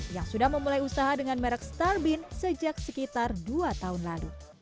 yang sudah memulai usaha dengan merek starbin sejak sekitar dua tahun lalu